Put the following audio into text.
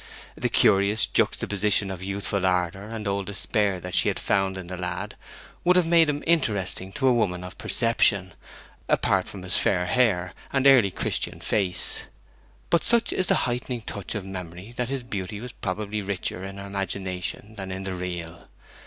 The curious juxtaposition of youthful ardour and old despair that she had found in the lad would have made him interesting to a woman of perception, apart from his fair hair and early Christian face. But such is the heightening touch of memory that his beauty was probably richer in her imagination than in the real.